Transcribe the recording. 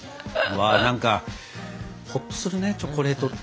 何かほっとするねチョコレートって。